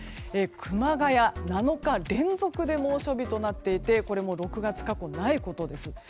熊谷は７日連続で猛暑日となっていてこれも６月過去にないことです。